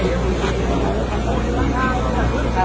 รู้สึกว่าทุกที่นี่มันดูเป็นข้าว